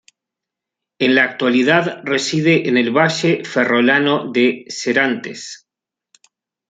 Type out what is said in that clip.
En la actualidad reside en el valle ferrolano de Serantes.